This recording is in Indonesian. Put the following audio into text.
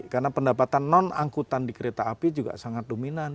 karena pendapatan non angkutan di kereta api juga sangat dominan